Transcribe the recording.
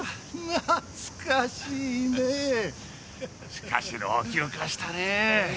しかし老朽化したねえ。